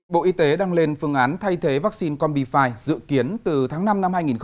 bộ y tế đang lên phương án thay thế vaccine combifi dự kiến từ tháng năm năm hai nghìn hai mươi